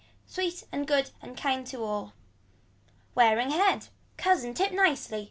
Sweet and good and kind to all. Wearing head. Cousin tip nicely.